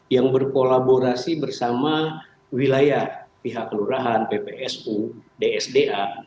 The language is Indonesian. yang berkolaborasi bersama wilayah pihak kelurahan ppsu dsda